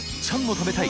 食べたい。